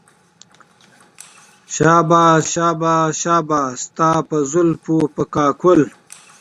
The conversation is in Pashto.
شاباش شاباش شاباش ستا په زلفو په كاكل